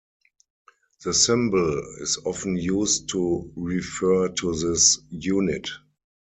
The symbol is often used to refer to this unit.